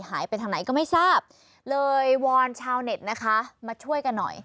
หายไปทางไหนก็ไม่ทราบเลยวอนชาวเน็ตนะคะมาช่วยกันหน่อย